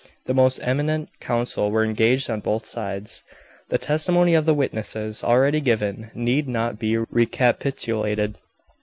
The most eminent counsel were engaged on both sides. The testimony of the witnesses already given need not be recapitulated.